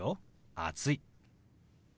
「暑い」。